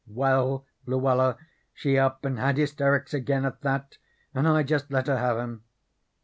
Well, Luella, she up and had hysterics again at that, and I jest let her have 'em.